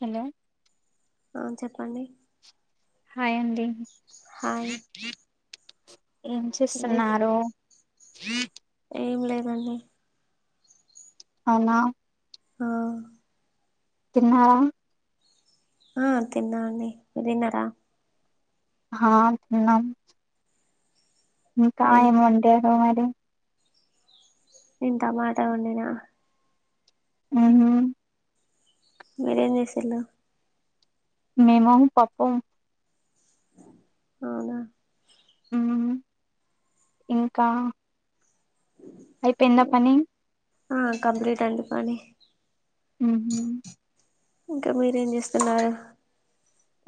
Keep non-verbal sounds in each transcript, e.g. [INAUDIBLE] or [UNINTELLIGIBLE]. Hello ఆ చెప్పండి. Hi అండి హాయ్ ఏం ఏంజే చేస్తున్నారు? ఏం లేదండి. అవునా హా తిన్నారా? ఆ తిన్నా అండి మీర్ తిన్నారా? హా తిన్నాం నేన్ కాయమంటే ఏదో మరి నేన్ టమాటా వండినా ఊహుం మీరేం జేసిల్లు మేము పప్పు అవునా ఉమ్ ఇంకా అయిపోయిందా పని ఆ కంప్లీలీట్ అండి పని ఉహుమ్ ఇంకా మీరేం చేస్తున్నారు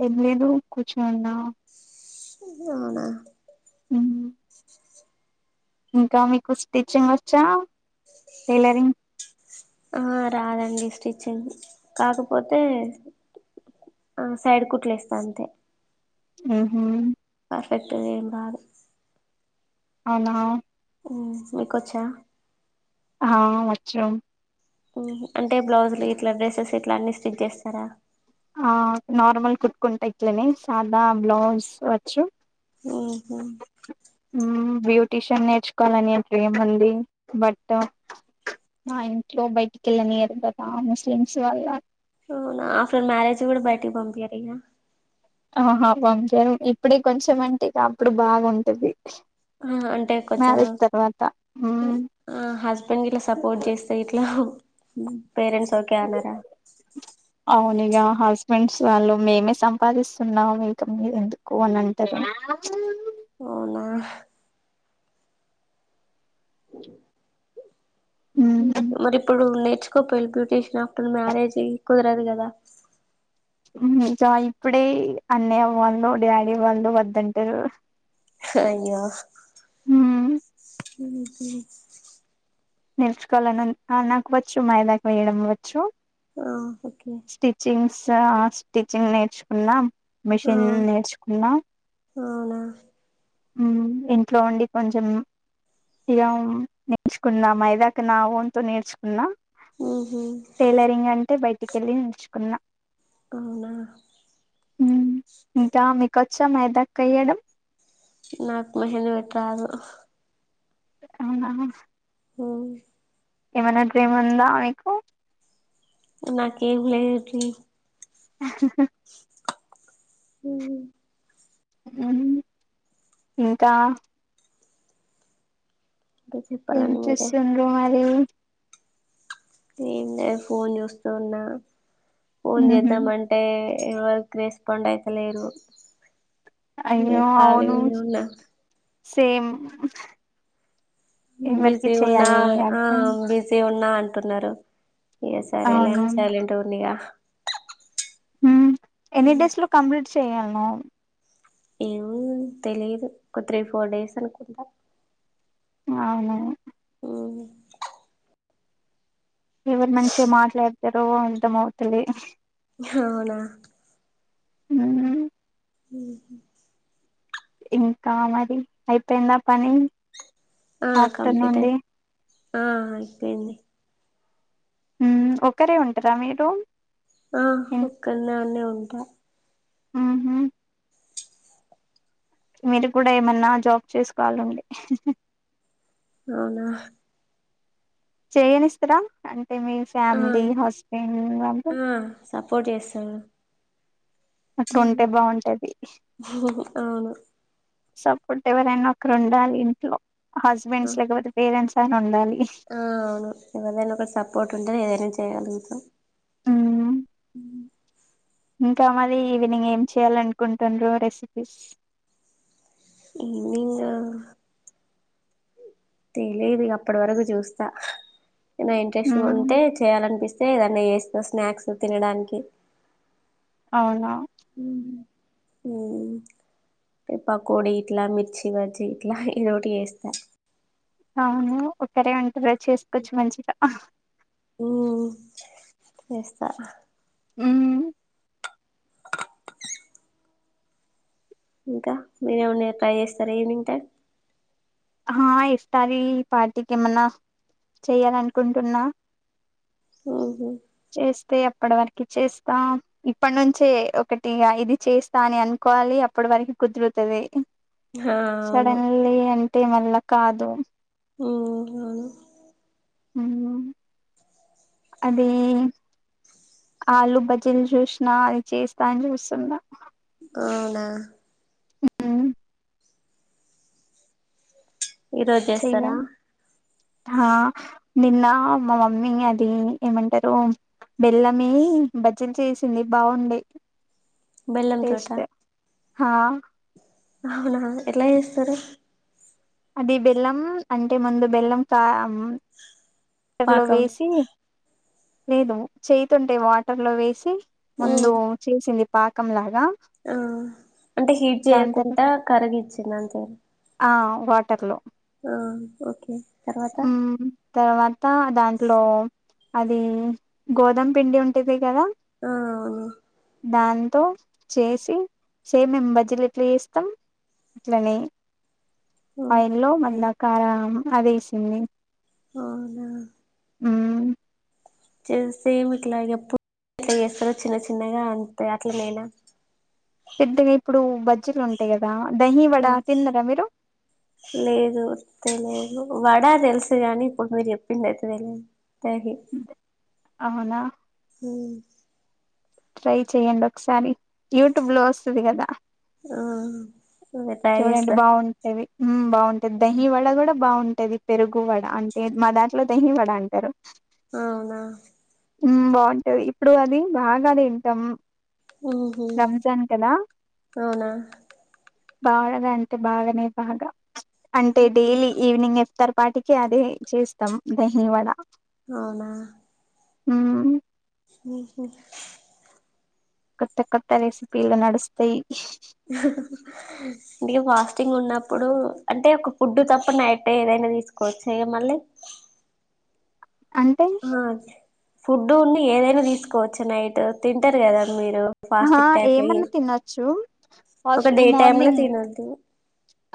ఎమిలేదు కూర్చుని ఉన్నా అవునా ఉమ్ ఇంకా మీకు స్టిచ్చింగ్ వచ్చా టైలరింగ్ ఆ రాదండి స్టిచ్చింగ్ కాకపోతే ఆ సైడ్ కుట్లేస్తా అంతే ఉహుమ్ పెద్దదేం కాదు అవునా ఉమ్ మీకొచ్చా ఆ వచ్చు అంటే బ్లౌజులు ఇట్లా డ్రెసెస్ ఇట్లా అన్ని స్టిచ్ చేస్తారా ఆ నార్మల్ కుట్టుకుంటా ఇట్లనే సాదా బ్లౌజ్ వచ్చు ఉహుమ్ బ్యూటీషియన్ నేర్చుకోవాలని అంట ఏముంది బట్ మా ఇంట్లో బయటి కెలనియరు కదా ముస్లిమ్స్ వాళ్ళ అవునా ఆఫ్టర్ మ్యారేజ్ కూడా బయటికి పంపియారా ఇగా ఆహా పంపియరు ఇప్పుడే కొంచెం అంటే అప్పుడు బాగుంటది ఆ అంటే కొంచెం మ్యారేజ్ తర్వాత మ్మ్ ఆ హస్బెండ్ ఇట్లా సపోర్ట్ చేస్తే ఇట్లా పేరెంట్స్ ఓకే అన్నారా అవునిగా హస్బెండ్స్ వాళ్ళు మేమే సంపాదిస్తున్నాము ఇంకా మీరు ఎందుకు అని అంటారు [UNINTELLIGIBLE] అవునా మ్మ్ మరి ఇప్పుడు నేర్చుకోపోయిలి బ్యూటీషియన్ ఆఫ్టర్ మ్యారేజ్ కుదరదు కదా ఉహుమ్ కా ఇప్పుడే అన్నయ్య వాళ్ళు డాడీ వాళ్ళు వద్దంటారు అయ్యో హమ్ ఉహుమ్ నేర్చుకోవాలని నాకు వచ్చు మాయిదాక వేయడం వచ్చు ఆ ఓకే స ఆ స్టిచ్చింగ్ నేర్చుకున్నాం ఆ మిషన్ నేర్చుకున్నాం అవునా ఉమ్ ఇంట్లో ఉండి కొంచెం ఇగం నేర్చుకున్నా మైదాక నా వంతు నేర్చుకున్నా ఉహు టైలరింగ్ అంటే బయటికి వెళ్ళి నేర్చుకున్నా అవునా పచ్చ మైదా కేయడం నాకు మెహిందీ పెట్టరాదు అవునా ఆమ్ ఏమైనా డ్రీమ్ ఉందా మీకు నాకు ఏం లేదు డ్రీమ్ హహ ఉమ్ హూ ఇంకా ఇంకా ఏం చెప్పాలండి మీరే చేస్తుండ్రు మరి ఏం లే ఫోన్ చూస్తూ ఉన్నా ఫోన్ చేద్దామంటే ఎవరికి రెస్పాండ్ అయితలేరూ అయ్యో నేన్ కాలి అవును ఉని ఉన్న సేమ్ ఎవరికి బిజి ఉన్నా చేయాలి ఆ అర్థం బిజి ఉన్నా అంటున్నారు ఇగ సరేలే అవును అని సైలెంట్ ఉన్నాయిగా ఉమ్ ఎన్ని డేస్ లో కంప్లీట్ చేయాలనో ఏమో తెలిదు ఒక త్రీ ఫోర్ డేస్ అనుకుంటా అవును ఉమ్ ఎవరు మంచిగా మాట్లాడతారో అర్థమవుతది హా అవునా ఉమ్ ఉమ్ ఇంకా మరి అయిపోయిందా పని ఆ కంప్లీట్ ఆఫ్టర్నూన్ అయి ది ఆ అయిపోయింది ఉమ్ ఒకరే ఉంటారా మీరు ఆ ఒక్కందనే ఉంటా ఉమ్ హు మీరు కూడా ఏమన్నా జాబ్ చేసుకోవాలండి అవునా చేయనిస్తారా అంటే మీ ఆ ఫ్యామిలీ హస్బెండ్ వాళ్లు ఒజేస్తారు అట్లుంటే బాగుంటది. అవును సపోర్ట్ ఎవరైనా ఒకరు ఉండాలి. ఇంట్లో హస్బెండ్స్ లేకపోతే పేరెంట్స్ ఐనా ఉండాలి. ఆ అవును ఎవరిదైనా ఒక సపోర్ట్ ఉంటేనే ఏదైనా చేయగలుగుతాము. ఉమ్ ఇంకా మరి ఈవినింగ్ ఏం చేయాల్ అనుకుంటుండ్రు రెసిపీస్ ఈవినింగ్ తెలీదు ఇగ అప్పటి వరకు చూస్తా ఐనా ఇంట్రెస్ట్ మ్మ్ ఉంటే చేయాలనిపిస్తే తె ఏదన్నా చేస్తా స్నాక్స్ తినడానికి అవునా ఉమ్ ఉహ్మ్ పకోడి ఇట్లా మిర్చి బజ్జీ ఇట్లా ఏదోటి చేస్తా. అవును ఒకరే ఉంటె బాచేసుకోవచ్చు మంచిగా ఉమ్ చేస్తా ఉమ్ ఇంకా మీరు ఏమన్న ట్రై చేస్తారా ఈవినింగ్ టైం ఆ ఇఫ్తారీ పార్టీకి ఏమన్నా చెయ్యాలనుకుంటున్నా. ఉహు చేస్తే అప్పటి వరకు చేస్తామ్ ఇప్పటి నుంచే ఒకటిగా ఇది చేస్తా అని అనుకోవాలి అప్పటి వరకు కుదురుతది ఆ అవును సడన్లీ అంటే మళ్ళా కాదు ఓహ్ ఉమ్ అదీ ఆలు బజ్జీలు చూసినా అది చేస్తా అని చూస్తున్నా అవునా మ్ ఈరోజు చెయ్ చేస్తారా మన్ హ నిన్న మా మమ్మీ అది ఏమంటరు. బెల్లంమే బజ్జిలు చేసింది బాగుండే. బెల్లం తోటా హా అవునా ఎట్ల చేస్తరు అదే బెల్లం అంటే ముందు బెల్లం పా వాటర్లో పాకం వేసి లేదు చేయ్ తోటే వాటర్లో వేసి ముందు ఉమ్ చేసింది పాకంలాగా ఆ అంటే హీట్ తర్ చేయకుంట కరగిచ్చింది అంతే ఆ వాటర్లో ఆ ఒకే తర్వాత మ్మ్ తర్వాత దాంట్లో అది గోధుమ్ పిండి ఉంటుంది కదా ఆ అవును. దాంతో చేసి సేమ్ మేం బజ్జిలేట్లా చేస్తం. అట్లనే పైన్ లో ఓకే మళ్ళా కారం అదేసింది. అవునా అవున్ చేస్తే ఎమె ఇట్లాగే పుట్ ఎట్లా చేస్తారో చిన్న చిన్నగా అంతే అట్లనేనా పెద్దగా ఇప్పుడు బ బజ్జీలుంటయి కదా డైలీ వడ ఆ తిన్నారా మీరు లేదు తెలియదు వడ తెలుసు గాని ఇప్పుడు మీరు చెప్పిందయితే తెలవదు దహి అవునా హ్మ్ ట్రై చెయ్యండి ఒకసారి యూట్యూబ్ లో వస్తది కదా ఆ అదే ట్రై చూడండి చేస్తా బాగుంటది హ్మ్ బాగుంటది దహి వడ కుడా బా టది పెరుగు, వడ అంటే మా దాంట్లో దహి వడ అంటరు అవునా మ్మ్ బావుంటది ఇప్పుడు అది బాగా తింటాం ఉహు రంజాన్ కదా అవునా బాగా అంటే బాగానే బాగా చ్ అంటే డైలీ ఈవినింగ్ ఎత్తం వాటికి అదే చేస్తం ధహీ వడ అవునా మ్మ్ ఉహు కొత్త కొత్త రెసిపీలు నడుస్తయి ఇగా ఫాస్టింగ్ ఉన్నప్పుడు అంటే ఒక ఫుడ్ తప్ప నైట్ ఏదయిన తీసుకోవోచ్చ ఇగా మళ్లే అంటే ఫుడ్ ఉండి ఏదైనా తీసుకోవచ్చు నైట్ తింటరు కదా మీరు ఆహా ఫాస్టిక్ టైప్ల ఏమన్నా చెస్ తినొచ్చు ఒక డే హాస్టల్ టైమ్ లో మార్నింగ్ తినోద్దు.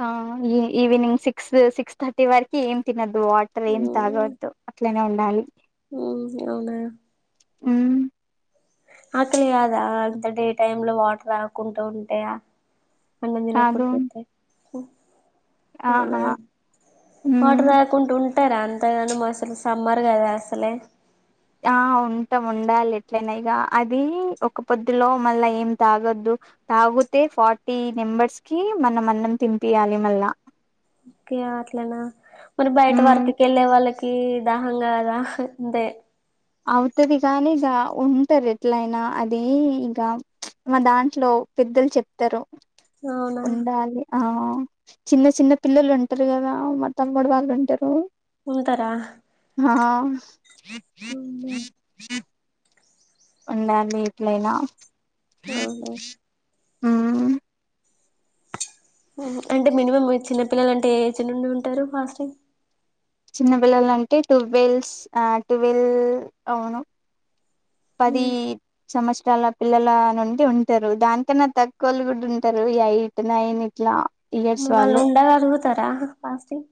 ఆ ఎ ఈవినింగ్ సిక్స్, సిక్స్థర్టీ వరకి ఏం తినదు. వాటర్ ఏం మ్మ్ తాగోద్దు అట్లనే ఉండాలి. మ్మ్ అవునా మ్మ్ ఆకలి కాదా అంత డే టైం లో వాటర్ రాకుంట ఉంటయ అన్నం కాదు తినకుంటే [UNINTELLIGIBLE] అవునా ఆహా మాట మ్మ్ రాకు ఉంటూ ఉం టారా అంతగనము అసలు సమ్మర్ కదా అసలే ఆ ఉంటాం ఉండాలి ఎట్లైన ఇగా అది ఒక్క పొద్దులో మళ్ళా ఏం తాగోద్దు తాగుతే ఫార్టీ నెంబర్స్ కి మనం అన్నం తింపియాలి మళ్ళా కె అట్లనా మరి బయట మ్మ్ వర్క్ కేలె వాళ్ళ కి దాహంగాదా అంతే అవుతది గానీ ఇక ఉంటరు ఎట్లయినా అదీ ఇంక మ దాంట్లో పెద్దలు చెప్తారు అవునా ఉండాలి ఆ చిన్న చిన్న పిల్లలు ఉంటరు గదా మా తమ్ముడు వాళ్ళు ఉంటరు ఉంతరా ఆ ఉండాలి ఎట్లైన అవునా ఊమ్ అంటే మినిమం మీ చిన్నపిల్లలు అంటే ఏ ఏజ్ నుండి ఉంటరు ఫాస్టింగ్ చిన్న పిల్లలు అంటే టువెల్స్ ఆ టూవెల్ అవును పది సమష్ చాలా పిల్లల నుండి ఉంటరు దానికన్నా తక్కువోలు కూడా ఉంటారు ఎయిట్ నైన్ ఇట్లా వాళ్ళు ఉండగలుగుతరా ఫాస్టింగ్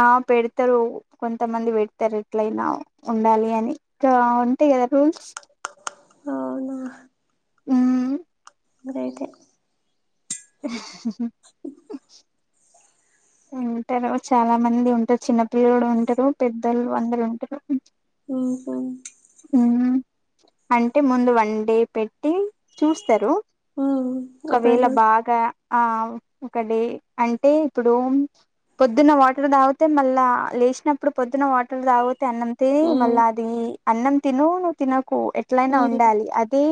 ఆ పెడతారు కొంతమంది వెడతారు. ఎట్లయినా ఉండాలి అని ఇకా ఉంటాయి కదా రూల్స్. అవునా ఊ గ్రేటే ఉంటరు చాలా మంది ఉంటరు. చిన్నపిల్లడు ఉంటరు. పెద్దలు అందరు ఉంటరు. ఓ హో అవునా అంటే ముందు వండే పెట్టి చూస్తరు ఒకవేళ బాగ ఆ ఒకడే అంటే ఇప్పుడు పొద్దున్న వాటర్ తాగుతే మళ్ళా లేచినప్పుడు పొద్దున్న వాటర్ తాగు అన్నం తిని ఉమ్ మళ్ళా అది అన్నం తిను నువ్వు తినకు ఎట్ల అయినా ఉమ్ ఉండాలి అది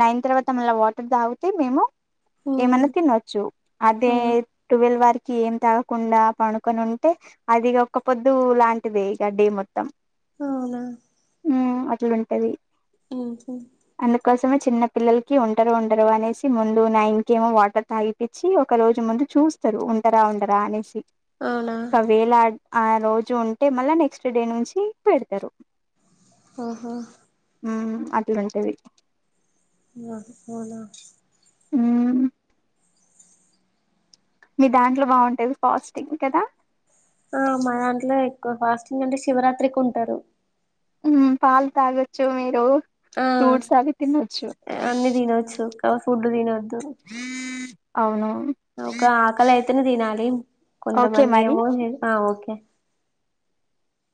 నైన్ తర్వాత మళ్ళ వాటర్ తాగుతె మేము ఉమ్ ఏమన్న తినొచ్చు ఆ అదే టువెల్ వారికి ఏం తాగకుండా పడుకొని ఉంటే అది ఒక్క పొద్దు లాంటిదే ఇగ డే మొత్తం అవునా ఊ అట్లుంటది హు హు సమే చిన్న పిల్లలకి ఉంటరు ఉండరో అనేసి ముందు నైన్ కేమో వాటర్ తాగిపించి ఒక రోజు ముందు చూస్తరు ఉంటరా ఉండరా అనేసి అవునా ఒక వేళ ఆ రోజు ఉంటే మళ్ల నెక్స్ట్ డే నుంచి పెడతరు. ఆహా ఉ అట్లుంటది ఉ హోనా ఊ మీ దాంట్లో బాగుంటది పాస్టింగ్ కదా హ మా దాంట్లో ఎక్కువ ఫాస్టింగ్ అంటే శివరాత్రికి ఉంటరు. ఉమ్ పాలు తాగొచ్చు మీరు ఆ ఫ్రూట్స్ అవి తినొచ్చు అ ఫుడ్ తినద్దు. అవును ఒక ఆకలి అయితేనే తినాలి, ఓకే కొంతమంది మరి ఏమో, ఆ ఓకే